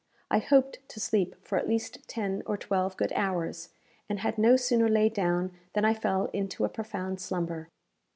I hoped to sleep for at least ten or twelve good hours, and had no sooner laid down than I fell into a profound slumber.